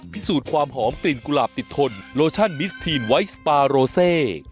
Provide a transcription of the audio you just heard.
พิสูจน์ความหอมกลิ่นกุหลาบติดทนโลชั่นมิสทีนไวท์สปาโรเซ